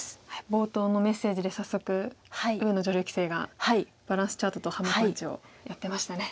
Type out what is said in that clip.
冒頭のメッセージで早速上野女流棋聖がバランスチャートとハンマーパンチをやってましたね。